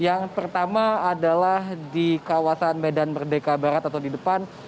yang pertama adalah di kawasan medan merdeka barat atau di depan